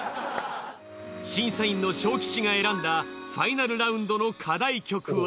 審査員のＳＨＯＫＩＣＨＩが選んだファイナルラウンドの課題曲は。